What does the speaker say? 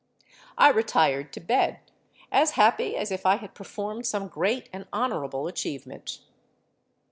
I retired to bed, as happy as if I had performed some great and honourable achievement.